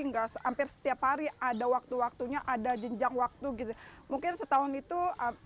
enggak hampir setiap hari ada waktu waktunya ada jenjang waktu gitu mungkin setahun itu